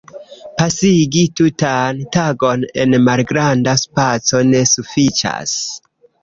Pasigi tutan tagon en malgranda spaco ne sufiĉas.